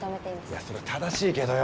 いやそりゃ正しいけどよ。